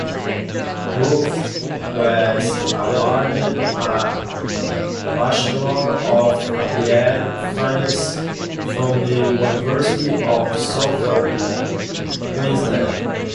Roff was awarded a Bachelor of Applied Finance from the University of Southern Queensland.